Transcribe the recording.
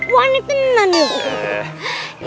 wah ini kenen nih